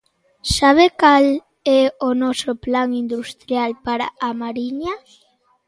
¿Sabe cal é o noso plan industrial para A Mariña?